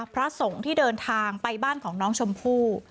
พระสงฆ์ที่เดินทางไปบ้านของน้องชมพู่